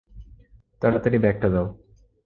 তাড়াতাড়ি ব্যাগ টা দাও।